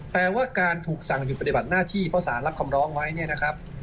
แปลว่าการถูกสั่งหยุดปฏิบัติหน้าที่เพราะสารรับคำร้องไว้เนี่ยนะครับ